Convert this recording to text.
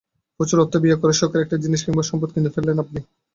প্রচুর অর্থ ব্যয় করে শখের একটি জিনিস কিংবা সম্পদ কিনে ফেললেন আপনি।